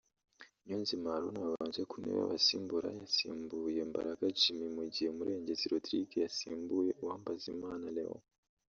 Niyonzima Haruna wabanje ku ntebe y’abasimbura yasimbuye Mbaraga Jimmy mu gihe Murengezi Rodrigue yasimbuye Uwambazimana Leon